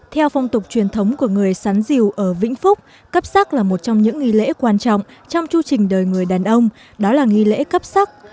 theo phong tục truyền thống của người sán diều ở vĩnh phúc cấp sắc là một trong những nghi lễ quan trọng trong chu trình đời người đàn ông đó là nghi lễ cấp sắc